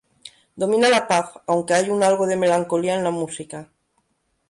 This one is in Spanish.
Domina la paz aunque hay un algo de melancolía en la música.